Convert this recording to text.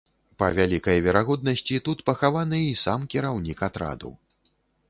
Па вялікай верагоднасці, тут пахаваны і сам кіраўнік атраду.